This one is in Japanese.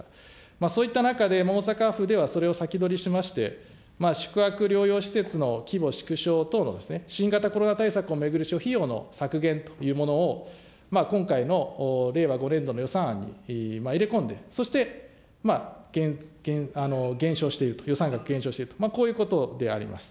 そういった中でも大阪府ではそれを先取りしまして、宿泊療養施設の規模縮小等の新型コロナ対策を巡る諸費用の削減というものを、今回の令和５年度の予算案に入れ込んで、そして減少していると、予算額、減少していると、こういうことであります。